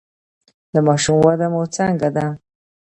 د ماشوم وده مو څنګه ده؟